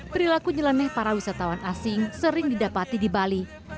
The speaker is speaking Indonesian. perilaku nyeleneh para wisatawan asing sering didapati di bali